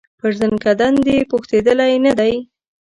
پر زکندن دي پوښتېدلی نه دی